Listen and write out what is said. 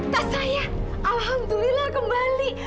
tante saya itu tante saya alhamdulillah kembali